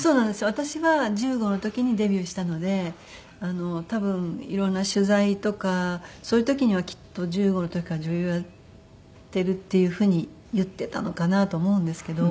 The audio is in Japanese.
私は１５の時にデビューしたので多分いろんな取材とかそういう時にはきっと１５の時から女優をやってるっていう風に言ってたのかなと思うんですけど。